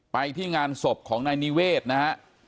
ไปที่งานศพของนายนิเวศนะฮะ